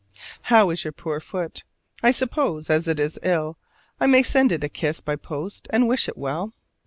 How is your poor foot? I suppose, as it is ill, I may send it a kiss by post and wish it well?